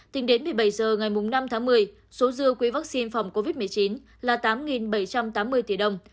tính đến một mươi bảy h ngày năm tháng một mươi số dư quỹ vaccine phòng covid một mươi chín là tám bảy trăm tám mươi tỷ đồng